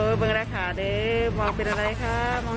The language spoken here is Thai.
ยังไงดอม